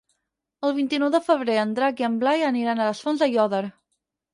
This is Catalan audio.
El vint-i-nou de febrer en Drac i en Blai aniran a les Fonts d'Aiòder.